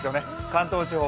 関東地方